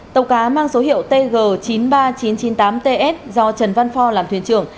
tàu cá mang số hiệu tg chín mươi ba nghìn chín trăm chín mươi tám ts do trần văn phò làm thuyền trưởng